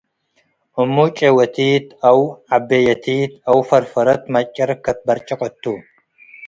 እሙ፡ ጩወቲት አው ዐቤየቲት አው ፈርፈረት ትመጭር ከትበርጭቅ እቱ ።